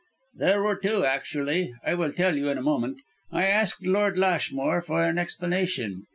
"There were two actually; I will tell you in a moment. I asked Lord Lashmore for an explanation.